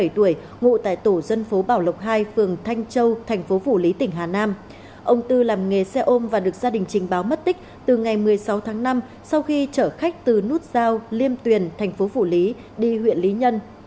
ba mươi bảy tuổi ngụ tại tổ dân phố bảo lộc hai phường thanh châu thành phố phủ lý tỉnh hà nam ông tư làm nghề xe ôm và được gia đình trình báo mất tích từ ngày một mươi sáu tháng năm sau khi chở khách từ nút giao liêm tuyền thành phố phủ lý đi huyện lý nhân